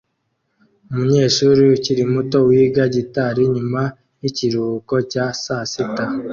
Umunyeshuri ukiri muto wiga gitari nyuma yikiruhuko cya sasita